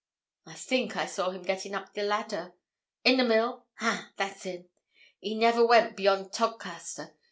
'I think I saw him getting up the ladder.' 'In the mill? Ha! that's him. He never went beyond Todcaster.